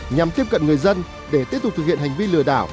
nhằm tiếp cận người dân để tiếp tục thực hiện hành vi lừa đảo